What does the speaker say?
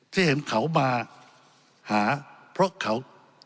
ที่เห็นเขามาหาเพราะเขา